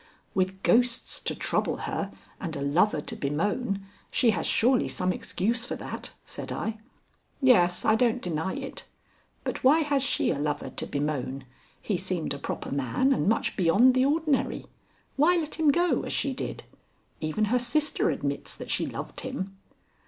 "With ghosts to trouble her and a lover to bemoan, she has surely some excuse for that," said I. "Yes, I don't deny it. But why has she a lover to bemoan? He seemed a proper man and much beyond the ordinary. Why let him go as she did? Even her sister admits that she loved him."